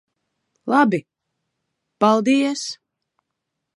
Labi. Paldies.